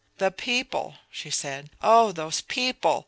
"The people!" she said. "Oh, those people!